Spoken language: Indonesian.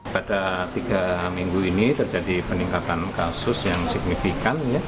pada tiga minggu ini terjadi peningkatan kasus yang signifikan